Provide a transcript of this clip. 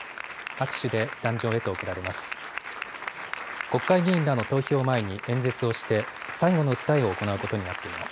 拍手で壇上へと送られます。